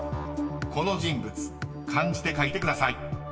［この人物漢字で書いてください］